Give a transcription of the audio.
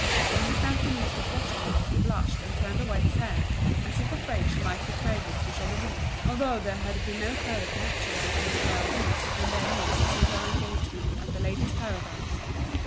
When he felt Denise was watching him he blushed and turned away his head, as if afraid she might betray him to Geneviève, although there had been no further connection between the Baudus and their niece since her engagement at The Ladies' Paradise.